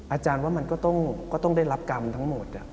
อาจารย์ว่ามันก็ต้องได้รับกรรมทั้งหมด